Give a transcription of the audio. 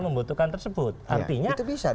membutuhkan tersebut artinya